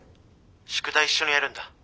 宿題一緒にやるんだ。